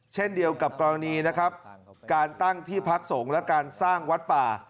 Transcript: เช่นเดียวกับกรณีนะครับการตั้งที่พักสงฆ์และการสร้างวัดป่า